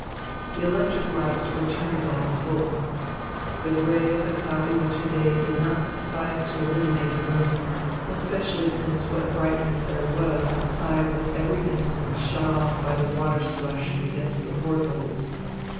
The electric lights were turned on full. The grey of the cloudy winter day did not suffice to illuminate the room, especially since what brightness there was outside was every instant shut off by the water splashing against the port holes.